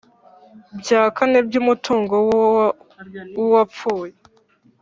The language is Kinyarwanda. Bya kane by umutungo w uwapfuye